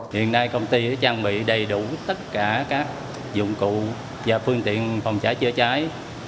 hiện nay công ty đã trang bị đầy đủ tất cả các dụng cụ và phương tiện phòng cháy chữa cháy